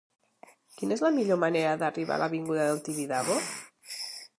Quina és la millor manera d'arribar a l'avinguda del Tibidabo?